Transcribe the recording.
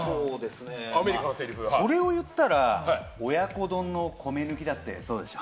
それを言ったら、親子丼の米だって、そうでしょ。